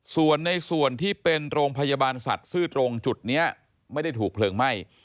ส่วนในส่วนที่เป็นโรงพยาบาลสัตว์ซื่อตรงจุดนี้ไม่ได้ถูกเพลิงไหม้